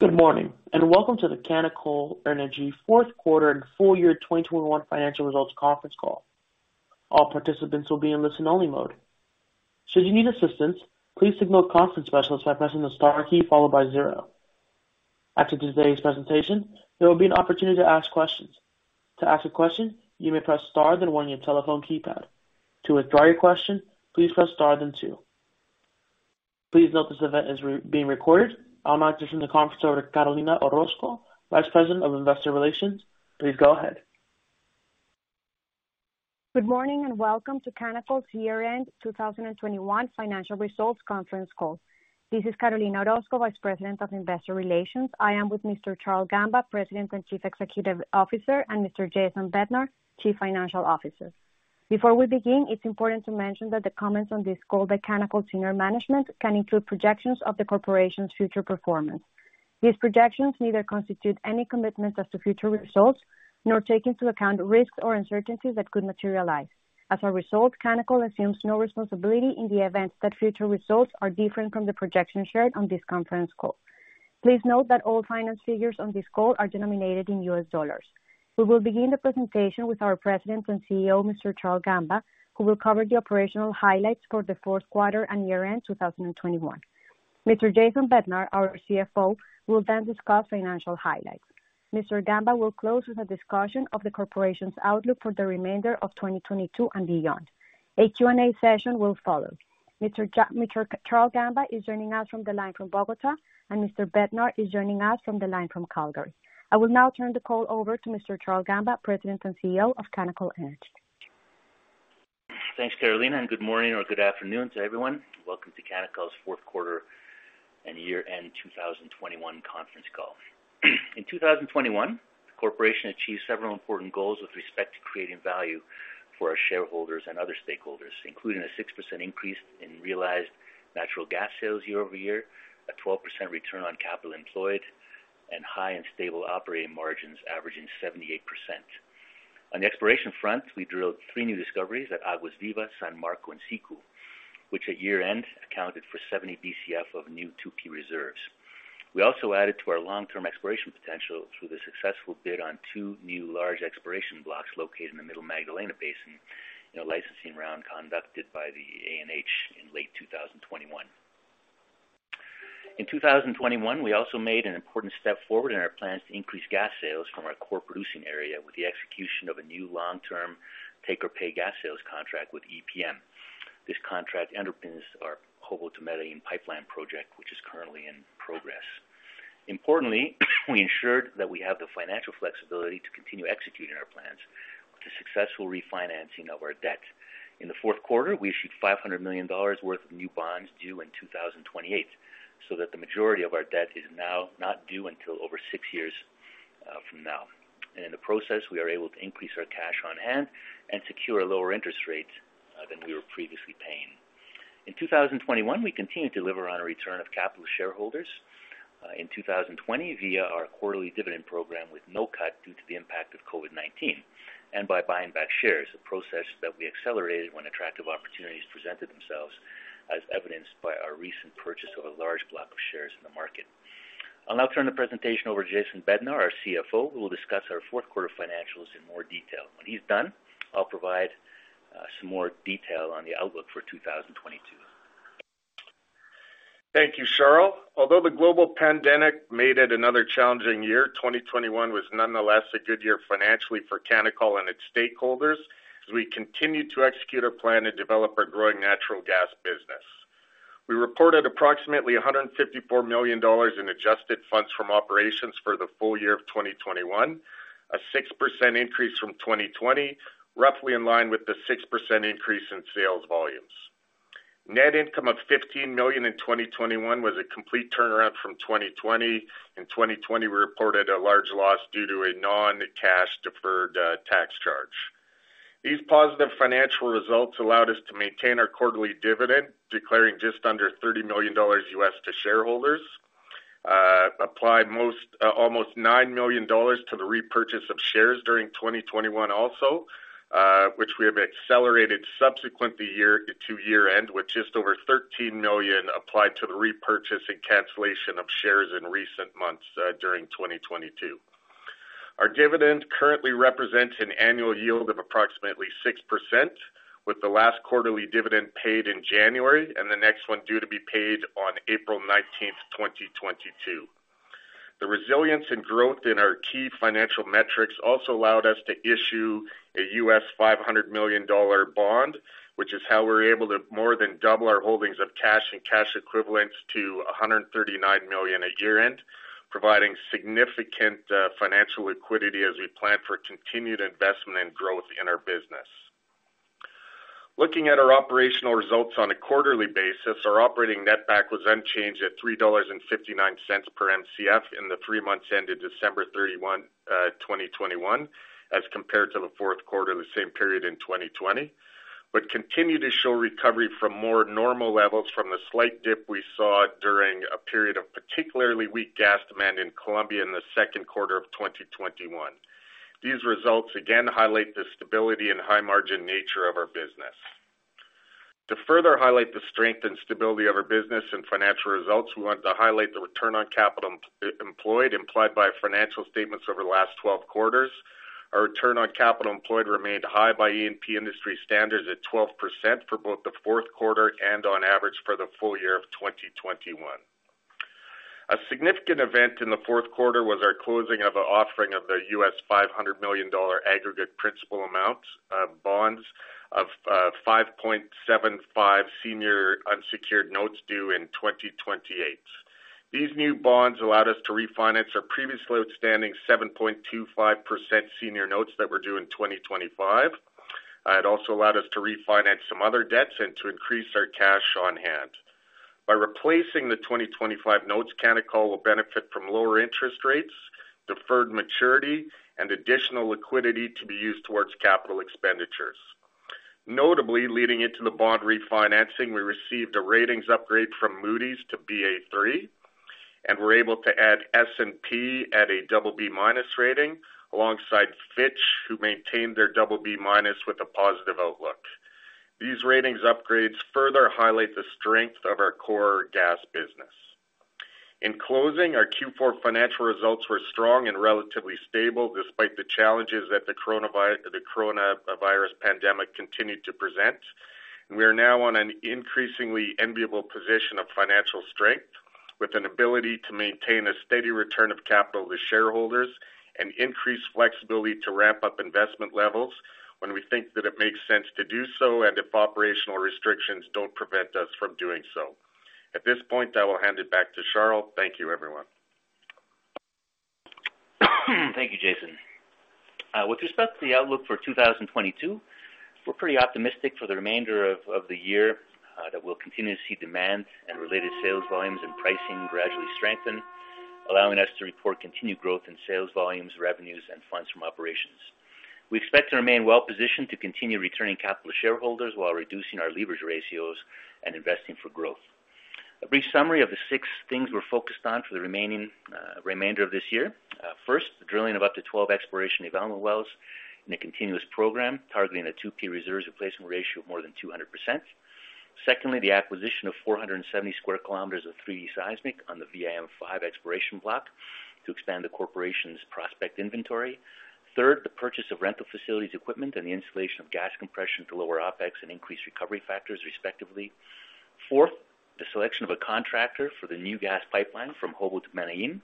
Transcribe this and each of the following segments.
Good morning, and welcome to the Canacol Energy fourth quarter and full year 2021 financial results conference call. All participants will be in listen-only mode. Should you need assistance, please signal a conference specialist by pressing the star key followed by zero. After today's presentation, there will be an opportunity to ask questions. To ask a question, you may press star then one on your telephone keypad. To withdraw your question, please press star then two. Please note this event is being recorded. I'll now turn the conference over to Carolina Orozco, Vice President of Investor Relations. Please go ahead. Good morning, and welcome to Canacol's year-end 2021 financial results conference call. This is Carolina Orozco, Vice President of Investor Relations. I am with Mr. Charle Gamba, President and Chief Executive Officer, and Mr. Jason Bednar, Chief Financial Officer. Before we begin, it's important to mention that the comments on this call by Canacol's senior management can include projections of the corporation's future performance. These projections neither constitute any commitments as to future results, nor take into account risks or uncertainties that could materialize. As a result, Canacol assumes no responsibility in the event that future results are different from the projections shared on this conference call. Please note that all finance figures on this call are denominated in U.S. dollars. We will begin the presentation with our President and CEO, Mr. Charle Gamba, who will cover the operational highlights for the fourth quarter and year-end 2021. Mr. Jason Bednar, our CFO, will then discuss financial highlights. Mr. Gamba will close with a discussion of the corporation's outlook for the remainder of 2022 and beyond. A Q&A session will follow. Mr. Charle Gamba is joining us from the line from Bogotá, and Mr. Bednar is joining us from the line from Calgary. I will now turn the call over to Mr. Charle Gamba, President and CEO of Canacol Energy. Thanks, Carolina, and good morning or good afternoon to everyone. Welcome to Canacol's fourth quarter and year-end 2021 conference call. In 2021, the corporation achieved several important goals with respect to creating value for our shareholders and other stakeholders, including a 6% increase in realized natural gas sales year-over-year, a 12% return on capital employed, and high and stable operating margins averaging 78%. On the exploration front, we drilled three new discoveries at Aguas Vivas, San Marcos and Siku, which at year-end accounted for 70 Bcf of new 2P reserves. We also added to our long-term exploration potential through the successful bid on two new large exploration blocks located in the Middle Magdalena basin in a licensing round conducted by the ANH in late 2021. In 2021, we also made an important step forward in our plans to increase gas sales from our core producing area with the execution of a new long-term take-or-pay gas sales contract with EPM. This contract underpins our Jobo-Medellín pipeline project, which is currently in progress. Importantly, we ensured that we have the financial flexibility to continue executing our plans with the successful refinancing of our debt. In the fourth quarter, we issued $500 million worth of new bonds due in 2028, so that the majority of our debt is now not due until over six years from now. In the process, we are able to increase our cash on hand and secure a lower interest rate than we were previously paying. In 2021, we continued to deliver on a return of capital to shareholders in 2020 via our quarterly dividend program with no cut due to the impact of COVID-19, and by buying back shares, a process that we accelerated when attractive opportunities presented themselves, as evidenced by our recent purchase of a large block of shares in the market. I'll now turn the presentation over to Jason Bednar, our CFO, who will discuss our fourth quarter financials in more detail. When he's done, I'll provide some more detail on the outlook for 2022. Thank you, Charle. Although the global pandemic made it another challenging year, 2021 was nonetheless a good year financially for Canacol and its stakeholders, as we continued to execute our plan to develop our growing natural gas business. We reported approximately $154 million in adjusted funds from operations for the full year of 2021, a 6% increase from 2020, roughly in line with the 6% increase in sales volumes. Net income of $15 million in 2021 was a complete turnaround from 2020. In 2020, we reported a large loss due to a non-cash deferred tax charge. These positive financial results allowed us to maintain our quarterly dividend, declaring just under $30 million to shareholders, applied almost $9 million to the repurchase of shares during 2021 also, which we have accelerated subsequently year to year-end, with just over $13 million applied to the repurchase and cancellation of shares in recent months, during 2022. Our dividend currently represents an annual yield of approximately 6%, with the last quarterly dividend paid in January and the next one due to be paid on April 19, 2022. The resilience and growth in our key financial metrics also allowed us to issue a U.S. $500 million bond, which is how we're able to more than double our holdings of cash and cash equivalents to $139 million at year-end, providing significant financial liquidity as we plan for continued investment and growth in our business. Looking at our operational results on a quarterly basis, our operating netback was unchanged at $3.59 per Mcf in the three months ended December 31, 2021, as compared to the fourth quarter, the same period in 2020, but continued to show recovery from more normal levels from the slight dip we saw during a period of particularly weak gas demand in Colombia in the second quarter of 2021. These results again highlight the stability and high-margin nature of our business. To further highlight the strength and stability of our business and financial results, we wanted to highlight the return on capital employed implied by financial statements over the last 12 quarters. Our return on capital employed remained high by E&P industry standards at 12% for both the fourth quarter and on average for the full year of 2021. A significant event in the fourth quarter was our closing of an offering of the $500 million aggregate principal amount of bonds of 5.75% senior unsecured notes due in 2028. These new bonds allowed us to refinance our previously outstanding 7.25% senior notes that were due in 2025. It also allowed us to refinance some other debts and to increase our cash on hand. By replacing the 2025 notes, Canacol will benefit from lower interest rates, deferred maturity, and additional liquidity to be used towards capital expenditures. Notably, leading into the bond refinancing, we received a ratings upgrade from Moody's to Ba3, and were able to add S&P at a BB- rating, alongside Fitch, who maintained their BB- with a positive outlook. These ratings upgrades further highlight the strength of our core gas business. In closing, our Q4 financial results were strong and relatively stable despite the challenges that the coronavirus pandemic continued to present. We are now in an increasingly enviable position of financial strength, with an ability to maintain a steady return of capital to shareholders and increase flexibility to ramp up investment levels when we think that it makes sense to do so and if operational restrictions don't prevent us from doing so. At this point, I will hand it back to Charle. Thank you, everyone. Thank you, Jason. With respect to the outlook for 2022, we're pretty optimistic for the remainder of the year that we'll continue to see demand and related sales volumes and pricing gradually strengthen, allowing us to report continued growth in sales volumes, revenues, and funds from operations. We expect to remain well positioned to continue returning capital to shareholders while reducing our leverage ratios and investing for growth. A brief summary of the six things we're focused on for the remainder of this year. First, the drilling of up to 12 exploration development wells in a continuous program targeting a 2P reserves replacement ratio of more than 200%. Secondly, the acquisition of 470 sq km of 3D seismic on the VIM-5 exploration block to expand the corporation's prospect inventory. Third, the purchase of rental facilities equipment and the installation of gas compression to lower OpEx and increase recovery factors, respectively. Fourth, the selection of a contractor for the new gas pipeline from Jobo to Medellín,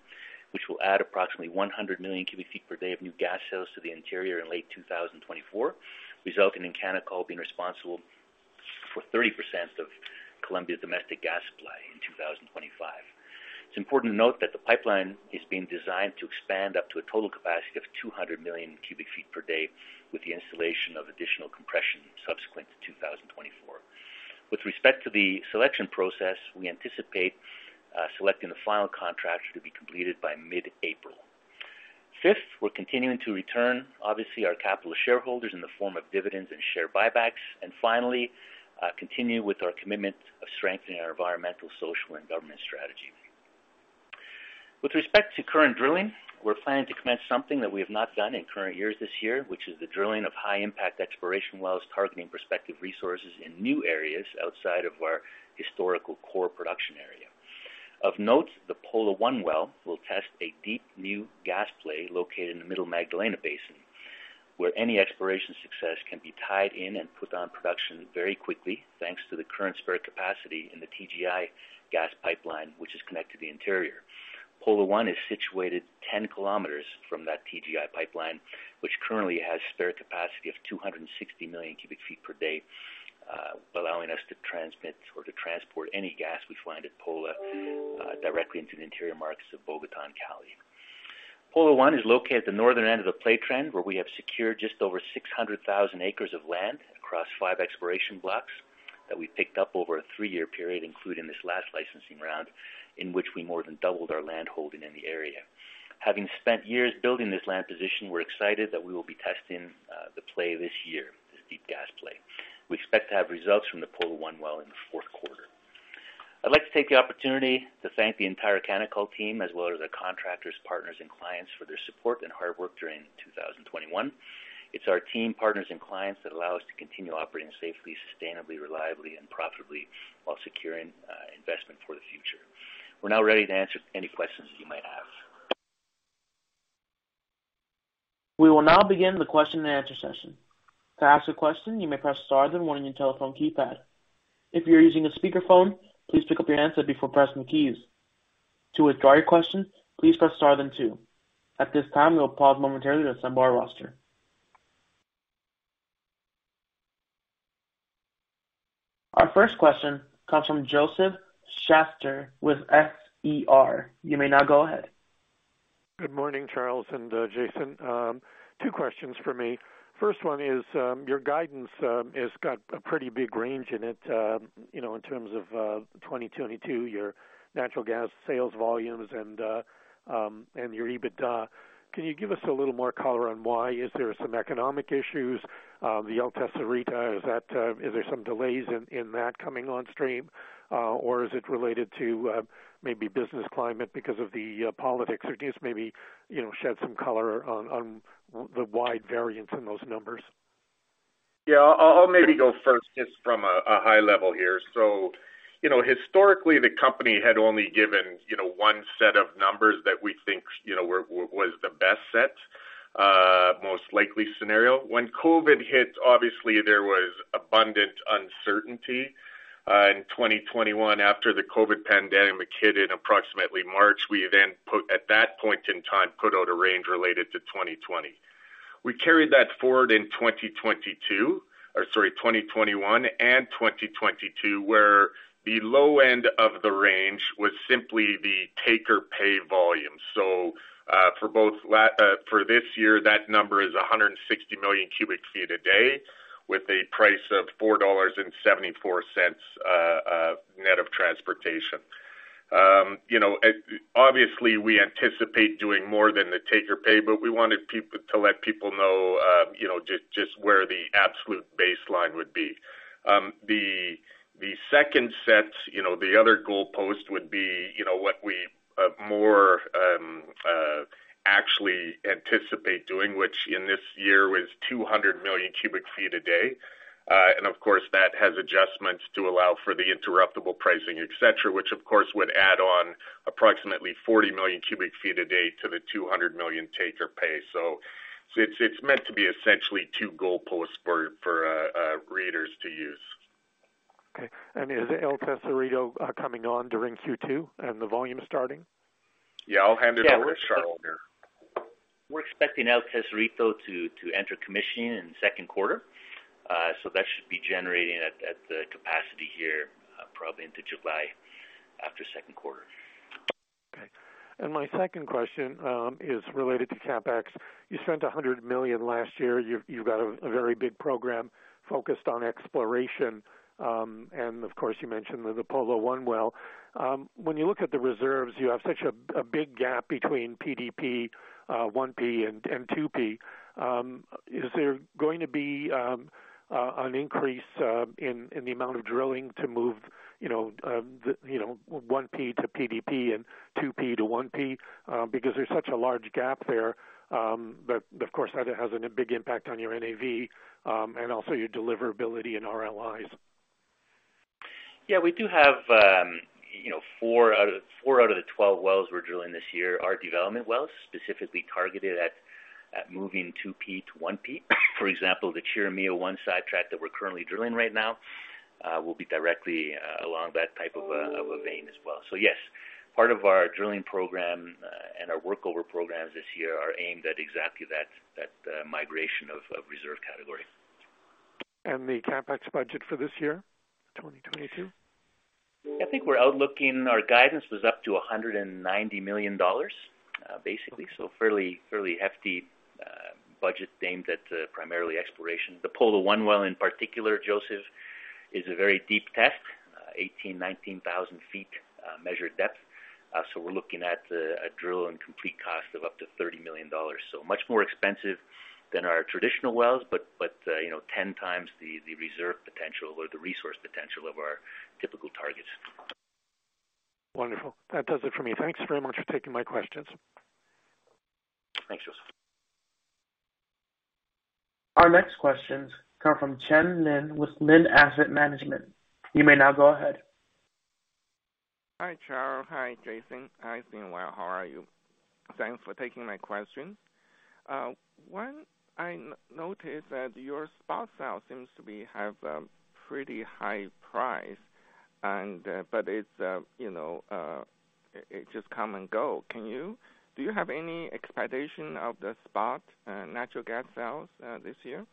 which will add approximately 100 million cu ft per day of new gas sales to the interior in late 2024, resulting in Canacol being responsible for 30% of Colombia's domestic gas supply in 2025. It's important to note that the pipeline is being designed to expand up to a total capacity of 200 million cu ft per day with the installation of additional compression subsequent to 2024. With respect to the selection process, we anticipate selecting the final contract to be completed by mid-April. Fifth, we're continuing to return, obviously, our capital to shareholders in the form of dividends and share buybacks. Continue with our commitment of strengthening our environmental, social, and governance strategy. With respect to current drilling, we're planning to commence something that we have not done in recent years this year, which is the drilling of high-impact exploration wells targeting prospective resources in new areas outside of our historical core production area. Of note, the Pola-1 well will test a deep new gas play located in the Middle Magdalena Valley basin, where any exploration success can be tied in and put on production very quickly, thanks to the current spare capacity in the TGI gas pipeline, which is connected to the interior. Pola-1 is situated 10 km from that TGI pipeline, which currently has spare capacity of 260 million cu ft per day, allowing us to transmit or to transport any gas we find at Pola, directly into the interior markets of Bogotá and Cali. Pola-1 is located at the northern end of the play trend, where we have secured just over 600,000 acres of land across five exploration blocks that we picked up over a three-year period, including this last licensing round, in which we more than doubled our land holding in the area. Having spent years building this land position, we're excited that we will be testing the play this year, this deep gas play. We expect to have results from the Pola-1 well in the fourth quarter. I'd like to take the opportunity to thank the entire Canacol team, as well as our contractors, partners, and clients for their support and hard work during 2021. It's our team, partners, and clients that allow us to continue operating safely, sustainably, reliably, and profitably while securing investment for the future. We're now ready to answer any questions you might have. We will now begin the question and answer session. To ask a question, you may press star then one on your telephone keypad. If you're using a speakerphone, please pick up your handset before pressing keys. To withdraw your question, please press star then two. At this time, we'll pause momentarily to assemble our roster. Our first question comes from Josef Schachter with S-E-R. You may now go ahead. Good morning, Charle and Jason. Two questions for me. First one is, your guidance has got a pretty big range in it, you know, in terms of 2022, your natural gas sales volumes and your EBITDA. Can you give us a little more color on why? Is there some economic issues? The El Tesorito, are there some delays in that coming on stream? Or is it related to maybe business climate because of the politics? Or just maybe, you know, shed some color on the wide variance in those numbers. Yeah, I'll maybe go first just from a high level here. You know, historically, the company had only given, you know, one set of numbers that we think, you know, was the best set, most likely scenario. When COVID hit, obviously, there was abundant uncertainty. In 2021, after the COVID pandemic hit in approximately March, we then put out a range related to 2020. We carried that forward in 2021 and 2022, where the low end of the range was simply the take-or-pay volume. For this year, that number is 160 million cu ft a day with a price of $4.74, net of transportation. You know, obviously, we anticipate doing more than the take-or-pay, but we wanted to let people know, you know, just where the absolute baseline would be. The second set, you know, the other goalpost would be, you know, what we more actually anticipate doing, which in this year was 200 million cu ft a day. Of course, that has adjustments to allow for the interruptible pricing, etc., which of course would add on approximately 40 million cu ft a day to the 200 million take-or-pay. It's meant to be essentially two goalposts for readers to use. Okay. Is El Tesorito coming on during Q2 and the volume starting? Yeah, I'll hand it over to Charle here. We're expecting El Tesorito to enter commission in the second quarter. That should be generating at the capacity here, probably into July after second quarter. Okay. My second question is related to CapEx. You spent $100 million last year. You've got a very big program focused on exploration. And of course, you mentioned the Pola-1 well. When you look at the reserves, you have such a big gap between PDP, 1P and 2P. Is there going to be an increase in the amount of drilling to move, you know, the 1P to PDP and 2P to 1P, because there's such a large gap there. But of course, that has a big impact on your NAV, and also your deliverability and RLI. Yeah, we do have, you know, four out of the 12 wells we're drilling this year are development wells, specifically targeted at moving 2P to 1P. For example, the Chirimia 1 sidetrack that we're currently drilling right now will be directly along that type of a vein as well. Yes, part of our drilling program and our workover programs this year are aimed at exactly that, migration of reserve category. The CapEx budget for this year, 2022? I think we're outlining our guidance was up to $190 million, basically, fairly hefty budget aimed at primarily exploration. The Pola-1 well in particular, Josef, is a very deep test, 18,000-19,000 ft measured depth. We're looking at a drill and complete cost of up to $30 million. Much more expensive than our traditional wells, but you know, 10 times the reserve potential or the resource potential of our typical targets. Wonderful. That does it for me. Thanks very much for taking my questions. Thanks, Josef. Our next questions come from Chen Lin with Lin Asset Management. You may now go ahead. Hi, Charle. Hi, Jason. I've been well, how are you? Thanks for taking my questions. One, I noticed that your spot sale seems to have a pretty high price and, but it's, you know, it just come and go. Can you do you have any expectation of the spot natural gas sales this year?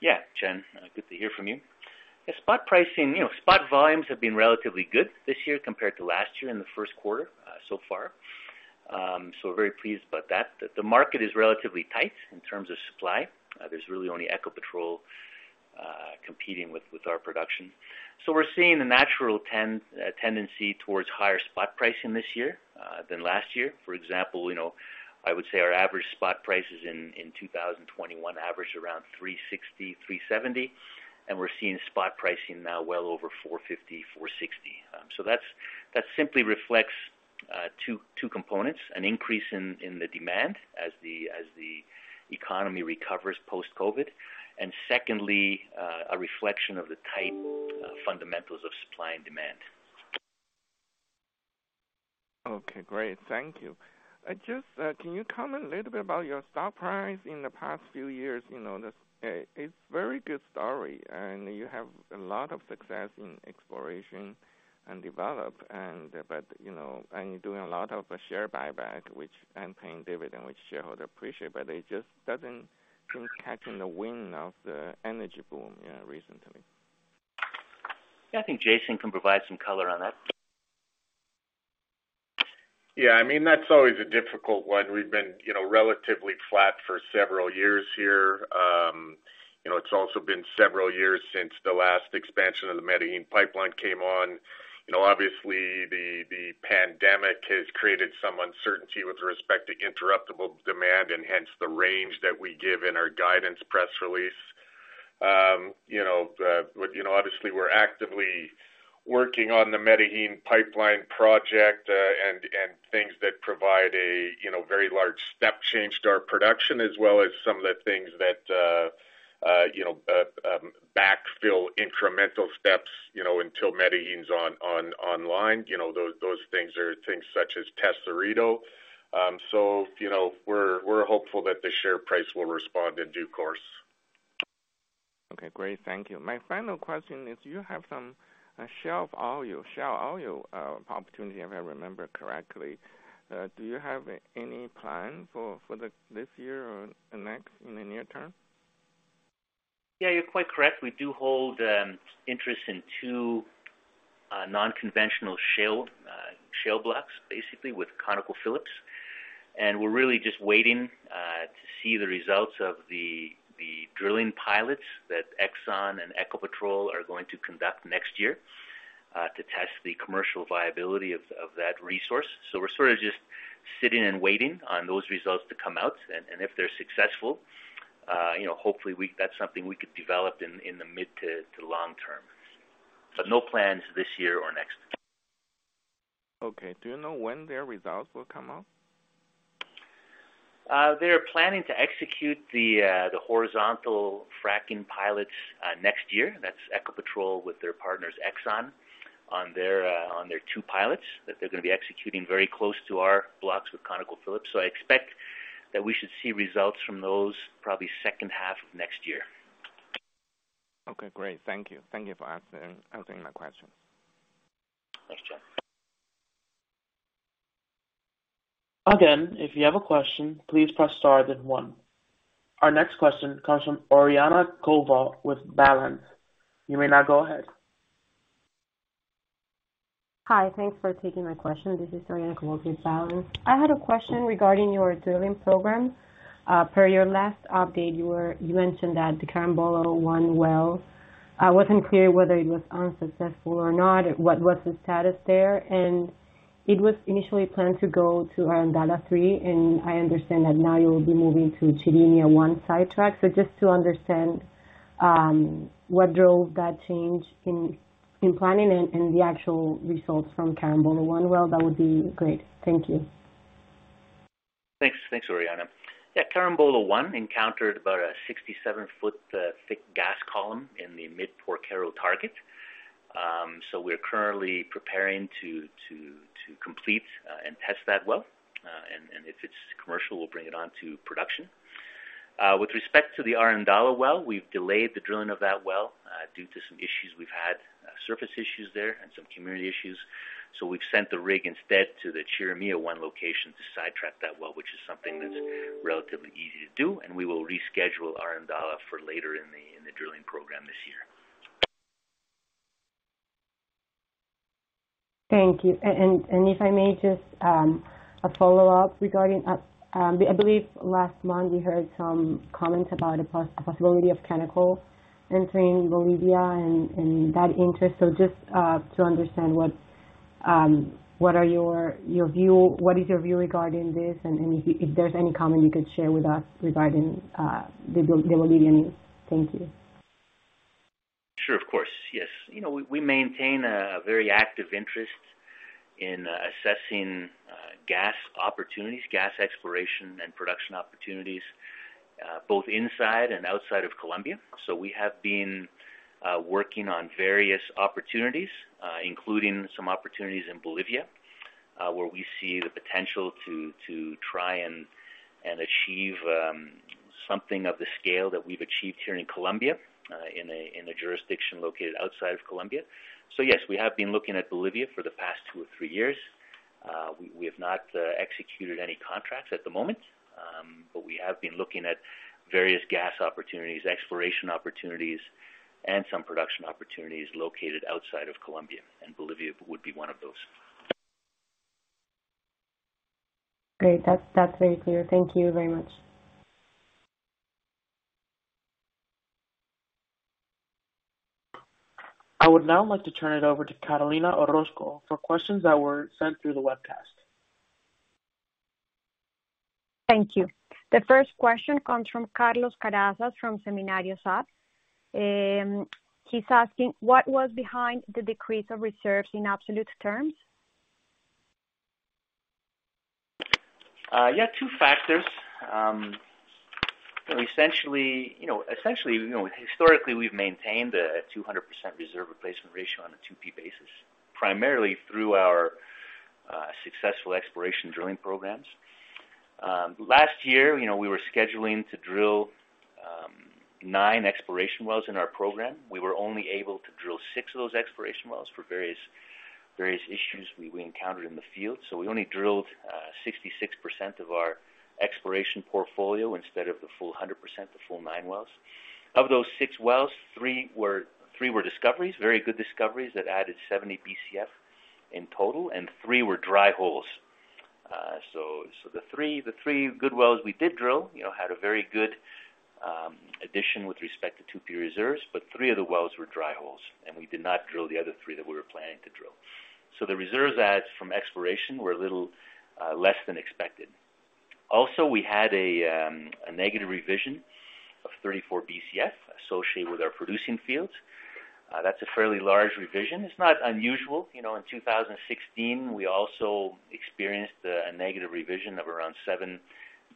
Yeah, Chen, good to hear from you. The spot pricing, you know, spot volumes have been relatively good this year compared to last year in the first quarter, so far. So we're very pleased about that. The market is relatively tight in terms of supply. There's really only Ecopetrol competing with our production. So we're seeing a natural tendency towards higher spot pricing this year than last year. For example, you know, I would say our average spot prices in 2021 averaged around $360-$370, and we're seeing spot pricing now well over $450-$460. So that simply reflects two components, an increase in the demand as the economy recovers post-COVID. Secondly, a reflection of the tight fundamentals of supply and demand. Okay, great. Thank you. Just, can you comment a little bit about your stock price in the past few years? You know, this, it's very good story, and you have a lot of success in exploration and development, but, you know, and you're doing a lot of share buyback, which and paying dividend, which shareholders appreciate, but it just doesn't seem catching the wind of the energy boom, you know, recently. I think Jason can provide some color on that. Yeah, I mean, that's always a difficult one. We've been, you know, relatively flat for several years here. You know, it's also been several years since the last expansion of the Medellín pipeline came on. You know, obviously the pandemic has created some uncertainty with respect to interruptible demand, and hence the range that we give in our guidance press release. You know, with you know, obviously we're actively working on the Medellín pipeline project, and things that provide a you know, very large step change to our production, as well as some of the things that you know, backfill incremental steps you know, until Medellín's online. You know, those things are things such as Tesorito. You know, we're hopeful that the share price will respond in due course. Okay, great. Thank you. My final question is you have some shale oil opportunity, if I remember correctly. Do you have any plan for this year or the next, in the near term? Yeah, you're quite correct. We do hold interest in 2 non-conventional shale blocks, basically, with ConocoPhillips. We're really just waiting to see the results of the drilling pilots that ExxonMobil and Ecopetrol are going to conduct next year to test the commercial viability of that resource. We're sort of just sitting and waiting on those results to come out. If they're successful, you know, hopefully that's something we could develop in the mid to long term. No plans this year or next. Okay. Do you know when their results will come out? They're planning to execute the horizontal fracking pilots next year. That's Ecopetrol with their partners, ExxonMobil, on their two pilots that they're gonna be executing very close to our blocks with ConocoPhillips. I expect that we should see results from those probably second half of next year. Okay, great. Thank you. Thank you for answering my question. Thanks, Chen. Again, if you have a question, please press star then one. Our next question comes from Oriana Covault with Valens. You may now go ahead. Hi. Thanks for taking my question. This is Ana Priscila Diaz with Valens. I had a question regarding your drilling program. Per your last update, you mentioned that the Carambola 1 well wasn't clear whether it was unsuccessful or not. What was the status there? It was initially planned to go to Arandala 3, and I understand that now you will be moving to Chirimia 1 sidetrack. Just to understand what drove that change in planning and the actual results from Carambola 1 well, that would be great. Thank you. Thanks. Thanks, Oriana. Yeah, Carambola 1 encountered about a 67-ft thick gas column in the Mid-Porquero target. We're currently preparing to complete and test that well. And if it's commercial, we'll bring it on to production. With respect to the Arandala well, we've delayed the drilling of that well due to some issues we've had, surface issues there and some community issues. We've sent the rig instead to the Chirimia 1 location to sidetrack that well, which is something that's relatively easy to do, and we will reschedule Arandala for later in the drilling program this year. Thank you. If I may just a follow-up regarding, I believe last month we heard some comments about a possibility of Canacol entering Bolivia and that interest. Just to understand what is your view regarding this? If there's any comment you could share with us regarding the Bolivian. Thank you. Sure. Of course, yes. You know, we maintain a very active interest in assessing gas opportunities, gas exploration and production opportunities, both inside and outside of Colombia. We have been working on various opportunities, including some opportunities in Bolivia, where we see the potential to try and achieve something of the scale that we've achieved here in Colombia, in a jurisdiction located outside of Colombia. Yes, we have been looking at Bolivia for the past two or three years. We have not executed any contracts at the moment. We have been looking at various gas opportunities, exploration opportunities, and some production opportunities located outside of Colombia, and Bolivia would be one of those. Great. That's very clear. Thank you very much. I would now like to turn it over to Carolina Orozco for questions that were sent through the webcast. Thank you. The first question comes from Carlos Carcasi from Seminario SAB. He's asking: What was behind the decrease of reserves in absolute terms? Yeah, two factors. Essentially, you know, historically, we've maintained a 200% reserve replacement ratio on a 2P basis, primarily through our successful exploration drilling programs. Last year, you know, we were scheduling to drill nine exploration wells in our program. We were only able to drill 6 of those exploration wells for various issues we encountered in the field. We only drilled 66% of our exploration portfolio instead of the full 100%, the full nine wells. Of those six wells, three were discoveries, very good discoveries that added 70 Bcf in total, and three were dry holes. The three good wells we did drill, you know, had a very good addition with respect to 2P reserves, but three of the wells were dry holes, and we did not drill the other three that we were planning to drill. The reserves adds from exploration were a little less than expected. Also, we had a negative revision of 34 Bcf associated with our producing fields. That's a fairly large revision. It's not unusual. You know, in 2016, we also experienced a negative revision of around 7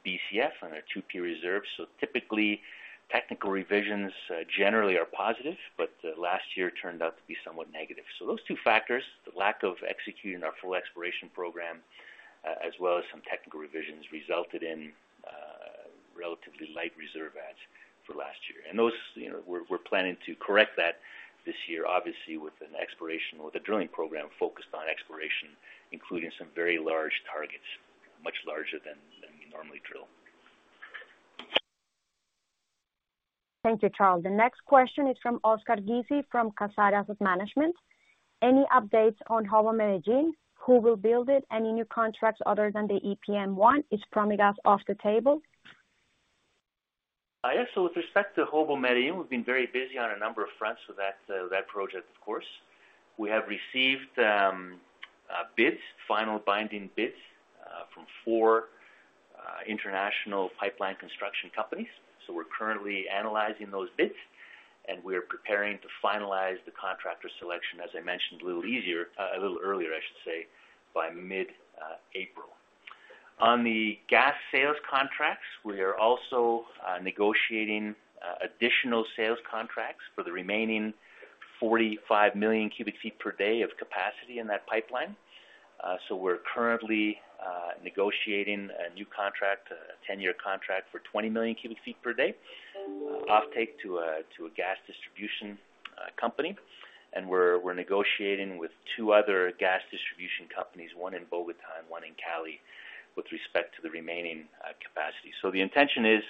Bcf on our 2P reserves. Typically, technical revisions generally are positive, but last year turned out to be somewhat negative. Those two factors, the lack of executing our full exploration program, as well as some technical revisions, resulted in relatively light reserve adds for last year. Those, you know, we're planning to correct that this year, obviously with an exploration or the drilling program focused on exploration, including some very large targets, much larger than we normally drill. Thank you, Charle. The next question is from Oscar Ghezzi from Kasara Asset Management. Any updates on Jobo-Medellín? Who will build it? Any new contracts other than the EPM one? Is Promigas off the table? With respect to Jobo-Medellín, we've been very busy on a number of fronts with that project of course. We have received bids, final binding bids from four international pipeline construction companies. We're currently analyzing those bids, and we are preparing to finalize the contractor selection, as I mentioned a little earlier, I should say, by mid-April. On the gas sales contracts, we are also negotiating additional sales contracts for the remaining 45 million cu ft per day of capacity in that pipeline. We're currently negotiating a new contract, a 10-year contract for 20 million cu ft per day, offtake to a gas distribution company. We're negotiating with two other gas distribution companies, one in Bogotá and one in Cali, with respect to the remaining capacity. The intention is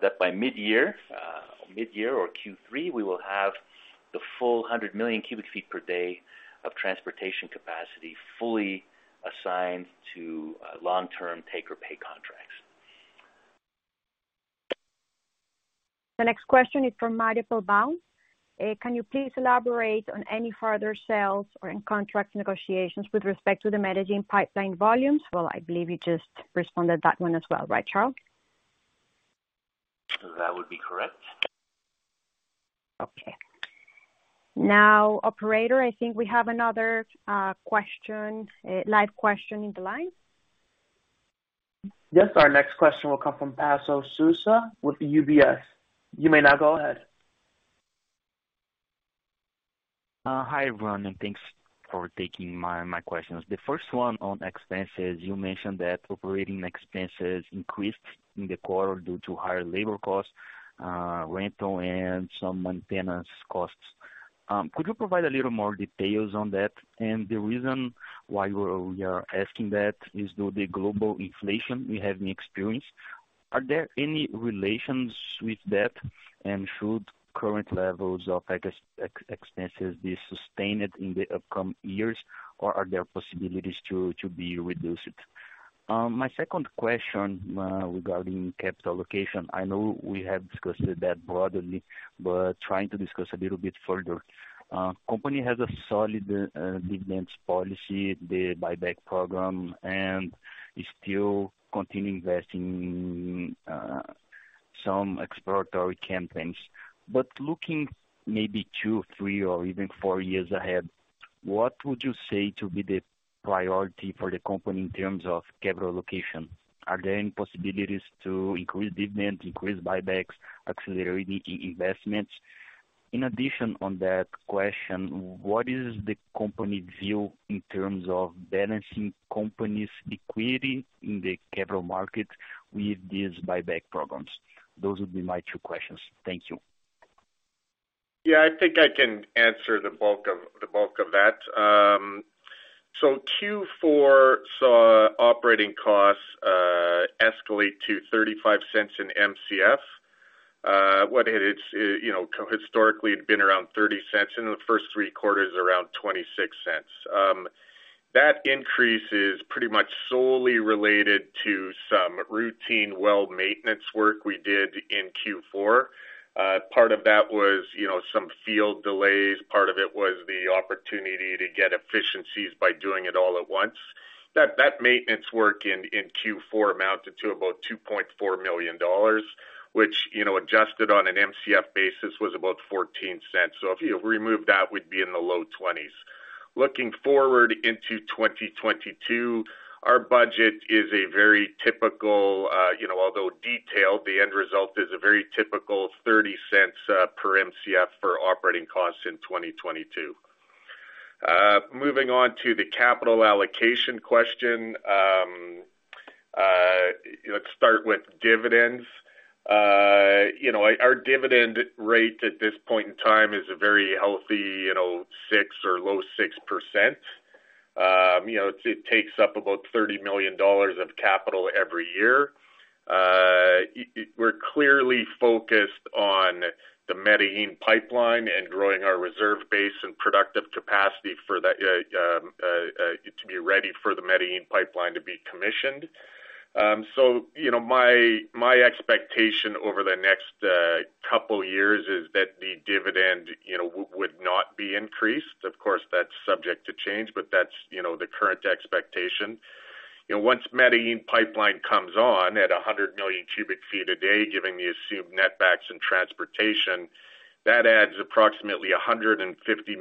that by mid year or Q3, we will have the full 100 million cu ft per day of transportation capacity fully assigned to long-term take-or-pay contracts. The next question is from Michael von Bormann. Can you please elaborate on any further sales or in contract negotiations with respect to the Medellín pipeline volumes? Well, I believe you just responded that one as well. Right, Charle Gamba? That would be correct. Okay. Now, operator, I think we have another question, a live question in the line. Yes. Our next question will come from Pablo Sosa with UBS. You may now go ahead. Hi, everyone, thanks for taking my questions. The first one on expenses. You mentioned that operating expenses increased in the quarter due to higher labor costs, rental and some maintenance costs. Could you provide a little more details on that? The reason why we are asking that is due to the global inflation we have experienced. Are there any relations with that? Should current levels of expenses be sustained in the upcoming years, or are there possibilities to be reduced? My second question regarding capital allocation. I know we have discussed that broadly, but trying to discuss a little bit further. Company has a solid dividends policy, the buyback program and still continue investing some exploratory campaigns. Looking maybe two, three or even four years ahead, what would you say to be the priority for the company in terms of capital allocation? Are there any possibilities to increase dividends, increase buybacks, accelerating investments? In addition to that question, what is the company view in terms of balancing the company's equity in the capital market with these buyback programs? Those would be my two questions. Thank you. Yeah. I think I can answer the bulk of that. Q4 saw operating costs escalate to $0.35/Mcf. What it is, you know, historically, it had been around $0.30/Mcf, in the first three quarters around $0.26/Mcf. That increase is pretty much solely related to some routine well maintenance work we did in Q4. Part of that was, you know, some field delays, part of it was the opportunity to get efficiencies by doing it all at once. That maintenance work in Q4 amounted to about $2.4 million, which, you know, adjusted on an Mcf basis was about $0.14. If you remove that, we'd be in the low 20s. Looking forward into 2022, our budget is a very typical, you know, although detailed, the end result is a very typical $0.30 per Mcf for operating costs in 2022. Moving on to the capital allocation question. Let's start with dividends. You know, our dividend rate at this point in time is a very healthy, you know, 6% or low 6%. You know, it takes up about $30 million of capital every year. We're clearly focused on the Medellín pipeline and growing our reserve base and productive capacity for that, to be ready for the Medellín pipeline to be commissioned. You know, my expectation over the next couple years, that the dividend, you know, would not be increased. Of course, that's subject to change, but that's, you know, the current expectation. You know, once Medellín Pipeline comes on at 100 million cu ft a day, giving the assumed netbacks and transportation, that adds approximately $150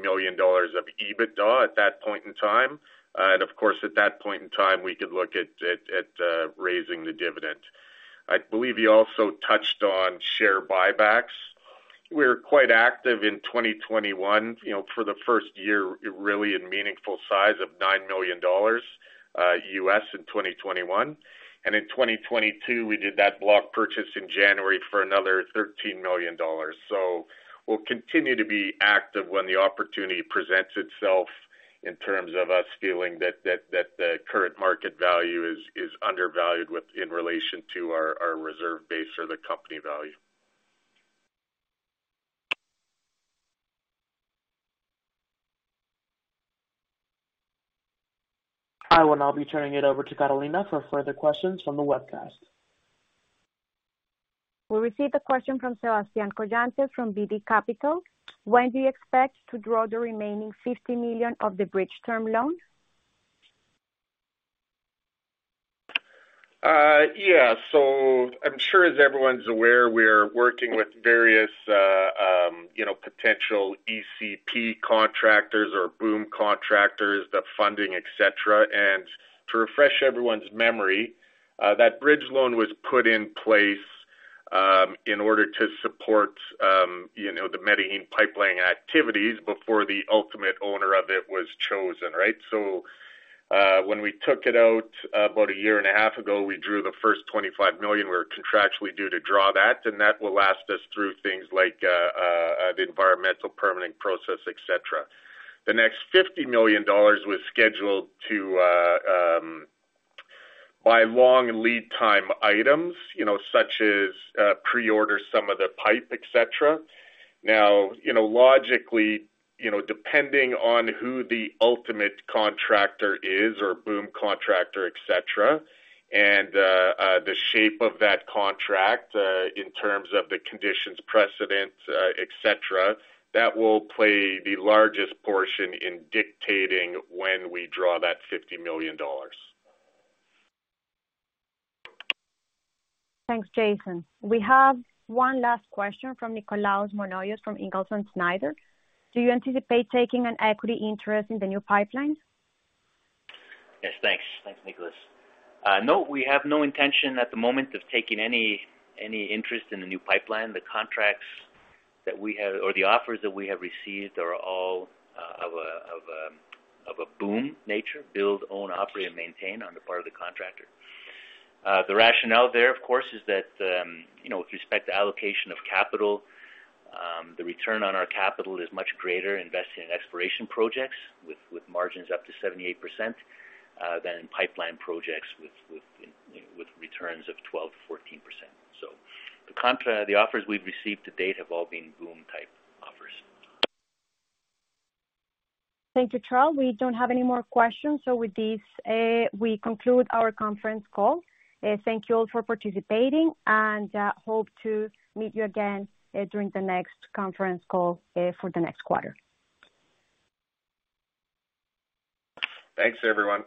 million of EBITDA at that point in time. And of course, at that point in time, we could look at raising the dividend. I believe you also touched on share buybacks. We're quite active in 2021, you know, for the first year, really in meaningful size of $9 million US in 2021. In 2022, we did that block purchase in January for another $13 million. We'll continue to be active when the opportunity presents itself in terms of us feeling that the current market value is undervalued in relation to our reserve base or the company value. I will now be turning it over to Carolina for further questions from the webcast. We'll receive the question from Sebastián Cojante from BTG Capital. When do you expect to draw the remaining $50 million of the bridge-term loan? Yeah. I'm sure, as everyone's aware, we're working with various, you know, potential EPC contractors or BOOM contractors, the funding, et cetera. To refresh everyone's memory, that bridge loan was put in place in order to support, you know, the Medellín Pipeline activities before the ultimate owner of it was chosen, right? When we took it out about a year and a half ago, we drew the first $25 million. We're contractually due to draw that, and that will last us through things like the environmental permitting process, et cetera. The next $50 million was scheduled to buy long lead time items, you know, such as pre-order some of the pipe, et cetera. Now, you know, logically, you know, depending on who the ultimate contractor is or BOOM contractor, et cetera, and, the shape of that contract, in terms of the conditions precedent, et cetera, that will play the largest portion in dictating when we draw that $50 million. Thanks, Jason. We have one last question from Nikolaos Monoyios from Ingalls & Snyder. Do you anticipate taking an equity interest in the new pipeline? Yes, thanks. Thanks, Nickolaos. No, we have no intention at the moment of taking any interest in the new pipeline. The contracts that we have or the offers that we have received are all of a BOOM nature, build, own, operate, and maintain on the part of the contractor. The rationale there, of course, is that you know, with respect to allocation of capital, the return on our capital is much greater investing in exploration projects with margins up to 78% than in pipeline projects with returns of 12%-14%. The offers we've received to date have all been BOOM-type offers. Thank you, Charle. We don't have any more questions. With this, we conclude our conference call. Thank you all for participating and hope to meet you again during the next conference call for the next quarter. Thanks, everyone.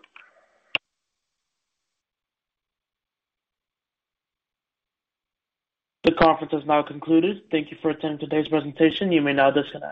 The conference has now concluded. Thank you for attending today's presentation. You may now disconnect.